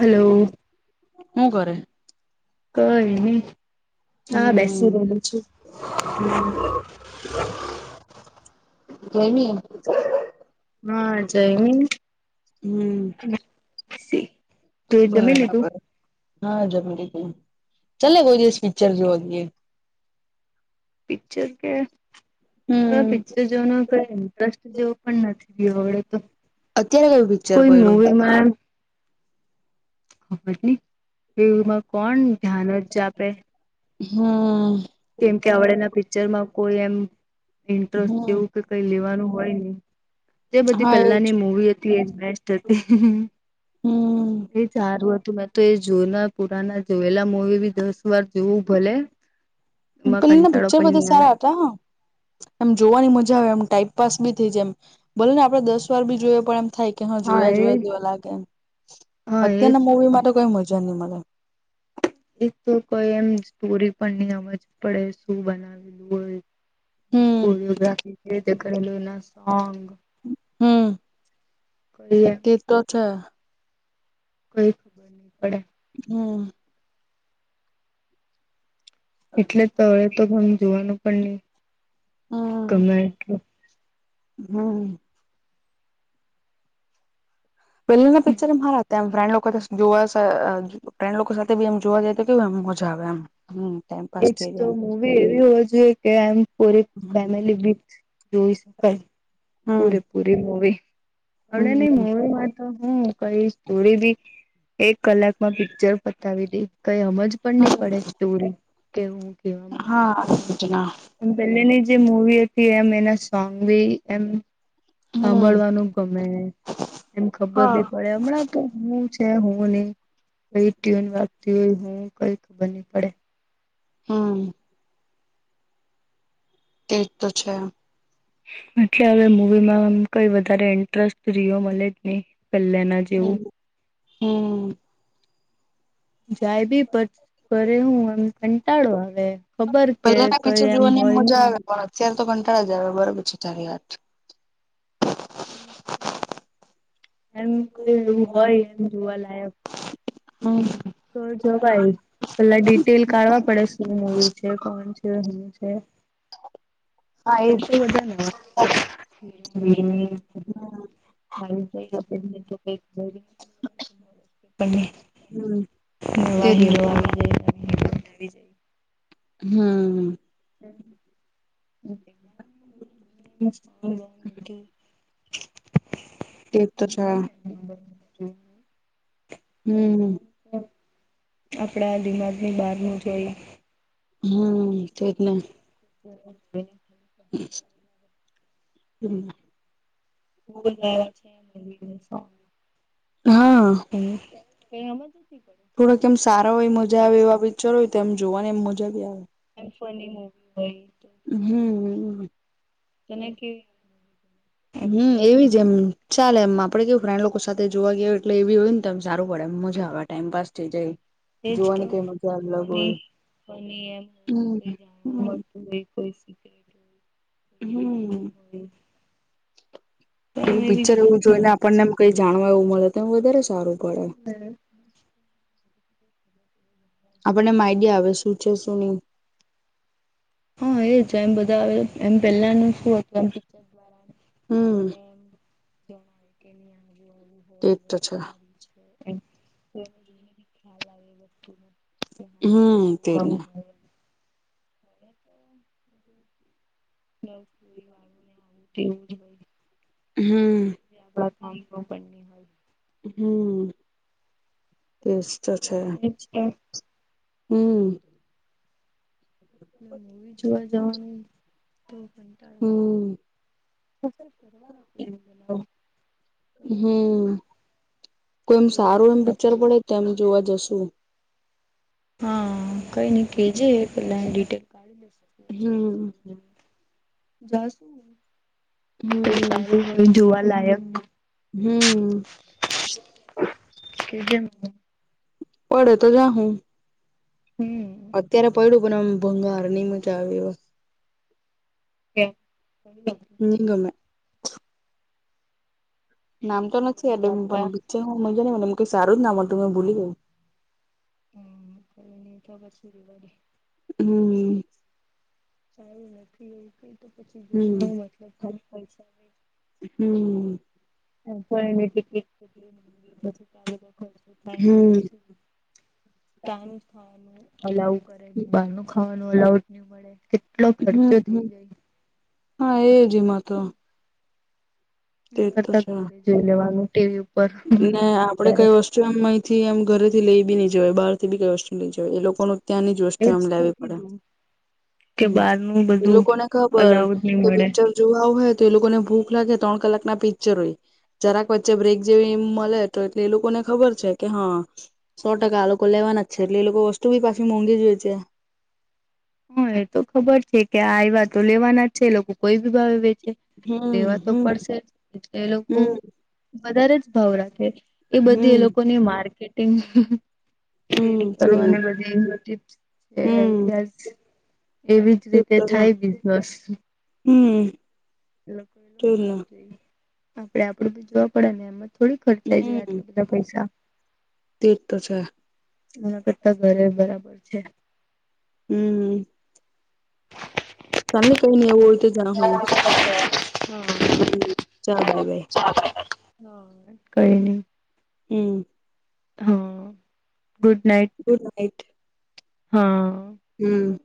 Hello, હું કરે? કઈ ની. હા બેસી રહેલી છું. હમ્મ, [inaudible] કઈ ની. હા જઈમી. હમ્મ. [inaudible] શી બરાબર હા જમી લીધું, ચલને કોઈ દિવસ પિક્ચર જોવા ગીએ. પિક્ચર કે હમ. પિક્ચર જોવાનો કોઈ ઇન્ટરેસ્ટ જેવું પણ નથી આપડે તો. અત્યારે કયું પિક્ચર પડ્યું? મારામ [unintelligible] ખબર નહી ટીવીમાં કોણ ધ્યાન જ આપે. હમ્મ. કેમ કે આવડેના પિક્ચરમાં કોઈ એમ ઇન્ટરેસ્ટ હમ જેવું કઈ લેવાનું હોય નઇ, તે બધી હા એજ. પેલ્લાની મુવી હતી એજ બેસ્ટ હતી. હમ એ સારું હતું મેં તો એ જોના પુરાના જોયેલા મૂવી બી દસ વાર જોવું ભલે. એમાં પેલી ના કંટાળો પિક્ચર પણ બધા નહી આવે. સારા હતા. એમ જોવાની મજા આવે એમ ટાઈમપાસ બી થઈ જાય એમ, ભલે ને આપડે દસ બી જોઈએ પણ એમ થાય. કે હ હા જોયા એ જોયા તેવા લાગે એમ, હા એજ અત્યારના તો મૂવી માટે કોઈ મજા નહી મલે. એક તો કોઈ એમ સ્ટોરી પણ નહી હમજ પડે શું બનાવેલું હમ હોય. [unintelligible] હમ. [inaudible] એ તો છે. કોઈ પડે. હમ્મ. એટલે તો ઘણું જોવાનું પણ નહી ગમે એટલું. હા. પહેલાના પિક્ચર એમ હારા હતા એમ. ફ્રેન્ડ સાથે જોવા ફ્રેન્ડ લોકો સાથે બી એમ જોવા જાય તો કેવું એમ મજા આવે એમ. ટાઈમપાસ એજ થઈ તો જાય મુવી એવી હોવા જોઈએ કે એમ પૂરી ફેમિલી વિથ [inaudible] એમ હમ પૂરે પૂરી મૂવી, અવડે હમ ની મૂવીમાં તો હું કઈ સ્ટોરી બી એક કલાકમાં પિક્ચર પતાવી દે, કઈ સમજ પણ નહી પડેજ દુર હે હું કેવા માંગે. આજના [inaudible] એમ પેલેની જે મુવી હતી, એમ એના સોંગ બી એમ હમ હાભળવાનું ગમે, એમ ખબર હા ભી પડે હમણાં તો હું છે, હું નહી, કઈ ટ્યુન વાગતી હોય, હું કઈ ખબર નહી પડે હા. એ તો છે, એટલે હવે મૂવીમાં કઈ વધારે ઈન્ટેરેશ રિઓ મલેજ નહિ પહેલાના જ, હમ હમ. જાયબી પર કરે હું એમ કંટાળો આવે. ખબર કે પેલા ના કઈ પીકચર જોવાની એમ હોય મજા નહી આવે, પણ અત્યારે તો કંટાળા જ આવે બરોબર છે તારી વાત એમ કોઈ એવું હોય એમ જોવા લાયક હમ. તો જવાઈ, પેલા ડિટેલ કાઢવા પડે, શું મૂવી છે, કોણ છે શું છે, [inaudible] [unintelligible] [inaudible] [unintelligible] [inaudible] [unintelligible] હમ. નવા તેજ ને હીરો આવી ગયા, હમ. [inaudible] [unintelligible] તે તો છે, હમ આપણા [inaudible] ની બારનું જોઈએ. હમ તે જ ને, [inaudible] [unintelligible] [inaudible] [unintelligible] [inaudible] [unintelligible] હા. હમ કઈ હું. થોડોક એમ સારા હોય મજા આવે એવા પિક્ચર હોય તો એમ જોવા ની એમ મજા ભી આવે. એમ ફની મુવી હોય તો હમ હમ. જેનેકી. હમ એવી જ એમ ચાલે એમ આપડે કેવું ફ્રેન્ડ લોકો સાથે જોવા ગયયો એટલે એવી હોય ને તો એમ સારું પડે એમ મજા આવે ટાઈમ પાસ થઈ જાય. એજ તો જોવાની કઈ મજા ફ અલગ હોય. એમ હો [inaudible] કઈ હમ્મ જાણવા હમ્મ મળતું હોય હોઈ શકે. હમ્મ એવું પિક્ચર એવું જોઈને [inaudible] આપણને એમ કઈ જાણવા એવું મળે તો એ વધારે સારું પડે એમ. આપણને આમ આઈડિયા આવે શું છે શું નહી હો એજ એમ બધા આવે એમ પહેલાનું [inaudible] હમ્મ દ્વારા. તેજ તો છે. [inaudible] [inaudible] હા હમ્મ તે દી આવું હોય તેવું છે. હમ્મ. ત્યા ક પણ હોય હમ્મ એજ તો છે. અચ્છા. હમ્મ. મુવી જોવા જવાનું તો કંટાળો હમ્મ આવે શું કરવાનું હમ્મ કોઈમ કોઈ સારું એમ જગ્યા પર પિક્ચર પડે તો એમ જોવા જશું હા કઈ નઈ કેજે પેલાની ડિટેલ કાઢી હમ્મ જાશું હમ્મ તો જોવા લાયક હમ્મ. [unintelligible] પડે તો જાહું હમ્મ. અત્યારે પડું પણ આમ ભંગાર ની મજા આવે હમ્મ. એ નિ ગમે નામ તો નથી એટલે આપડા બ્ચે મને કઈ જ નામ મળ તું મેં ભૂલી ગયું હમ્મ કઈની તો પછી રેવા દે હમ્મ. સારું નથી એ કઈ તો પછી જોઈને હમ્મ મતલબ પૈસા હમ્મ. એની ટિકિટ કટ પછી બધ ખર્ચ થાય હમ્મ પછી ત ન ખાવાનું અલાવ કરે બાર નું ખાવાનું અલાઉ જ નહી મળે હમ્મ ખર્ચો થઈ હમ્મ જાય હા એ જ એમાં તો તેજ ના તો કરતા છે ઘરે જોઈ લેવાનું ટીવી પર ને આપડે કઈ વસ્તુ અહીંથી એમ ઘરે થી લઈ બી નઈ જવાય બહારથી બી કઈ વસ્તુ નઈ જવા એ લોકો નું ત્યાંની દૃષ્ટિ એજ આમ તો લેવી પડે કીધું કે હમ્મ બહારનું એ બધું લોકો ને ખબર અલાઉડ નહી કે મળે પિક્ચર જો આવું હોય તો એ લોકોને ભૂખ લાગે ત્રણ કલાકના પિક્ચર હોય જરાક વચ્ચે બ્રેક જે એ મળે તો એટલે એ લોકોને ખબર છે કે હા સો ટકા આ લોકો લેવાના છે એટલે એ લોકો વસ્તુ બી પાછી મોંઘી જ વેચે હ એ તો ખબર છે કે આ એવા તો લેવાના જ છે લોકો કોઈ બી ભાવ વેચે. હમ લેવા તો હમ પડશે એ લોકો હમ વધારે જ ભાવ રાખે એ બધી એ હમ લોકોની માર્કેટ [unintelligible] હમ છેને હમ બધી એવી જ રીતે થાય બિઝનસ હમ્મ. લોકો એ લોકો ન જોઈએ આપડે બી પડે ને એમાં થોડી ખર્ચાઈ જાય આટલુ બધું પૈસા તે તો છે. એના કરતા ઘરે બરાબર છે. હમ... તમને ચાલે કઈ નહી ઓળ તો જા હું. હા હમ ચાલ બાય બાય કોઈ ન [unintelligible] હમ..... હા. Good night good night. હા.... હમ....